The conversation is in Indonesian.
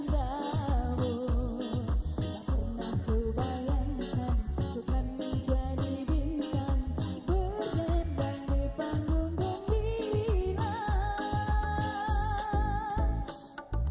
tidak pernah ku bayangkan ku kan menjadi bintang berdendam di panggung berpilat